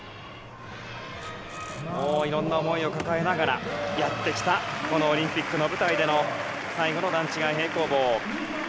いろんな思いを抱えながらやってきた、このオリンピックの舞台での最後の段違い平行棒。